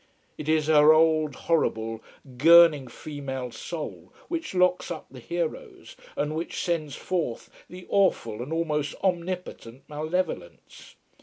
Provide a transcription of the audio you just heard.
It is her old, horrible, grinning female soul which locks up the heroes, and which sends forth the awful and almost omnipotent malevolence.